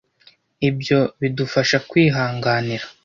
Ibyo bidufasha kwihanganira;